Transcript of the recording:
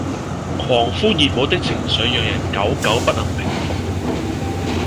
狂呼熱舞的情緒讓人久久不能平伏